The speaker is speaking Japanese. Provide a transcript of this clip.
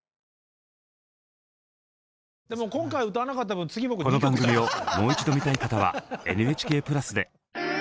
この番組をもう一度見たい方はＮＨＫプラスで！